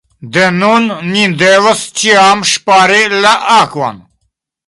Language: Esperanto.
De nun, ni devos ĉiam ŝpari la akvon.